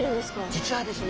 実はですね